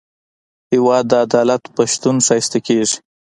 هېواد د عدالت په شتون ښایسته کېږي.